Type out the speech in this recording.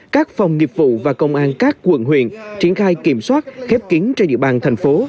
các phòng nghiệp vụ và công an các quận huyện triển khai kiểm soát khép kín trên địa bàn thành phố